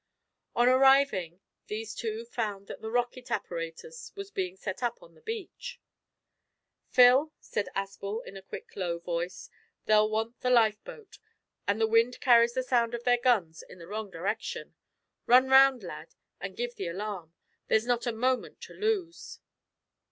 On arriving, these two found that the rocket apparatus was being set up on the beach. "Phil," said Aspel in a quick low voice, "they'll want the lifeboat, and the wind carries the sound of their guns in the wrong direction. Run round, lad, and give the alarm. There's not a moment to lose."